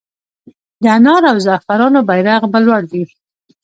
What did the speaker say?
د انار او زعفرانو بیرغ به لوړ وي؟